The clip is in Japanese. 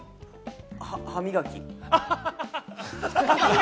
歯磨き。